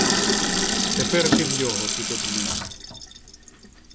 Тепер під його підоб'юсь: